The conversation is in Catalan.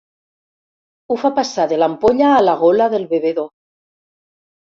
Ho fa passar de l'ampolla a la gola del bevedor.